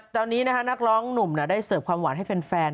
ตอนนี้นักร้องหนุ่มได้เสิร์ฟความหวานให้แฟน